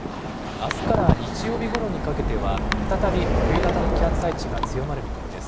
あすから日曜日ごろにかけては、再び冬型の気圧配置が強まる見込みです。